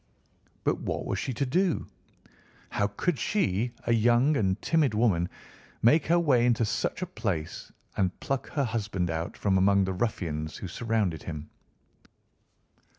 But what was she to do? How could she, a young and timid woman, make her way into such a place and pluck her husband out from among the ruffians who surrounded him?